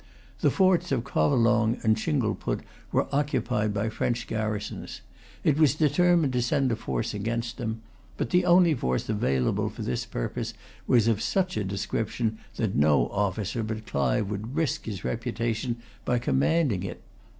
The forts of Covelong and Chingleput were occupied by French garrisons. It was determined to send a force against them. But the only force available for this purpose was of such a description that no officer but Clive would risk his reputation by commanding it.